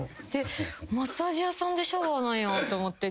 マッサージ屋さんでシャワーなんやと思って。